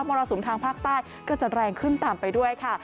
รสุมทางภาคใต้ก็จะแรงขึ้นตามไปด้วยค่ะ